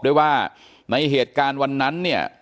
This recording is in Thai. ด้วยว่าในเหตุการณ์วันนั้นเนี่ย